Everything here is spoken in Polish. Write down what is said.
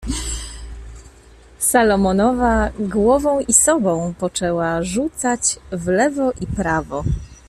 "Salomonowa głową i sobą poczęła rzucać w lewo i prawo."